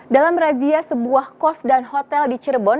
dalam razia sebuah kos dan hotel di cirebon